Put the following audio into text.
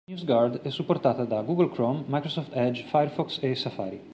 NewsGuard è supportata da Google Chrome, Microsoft Edge, Firefox e Safari.